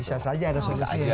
bisa saja ada solusi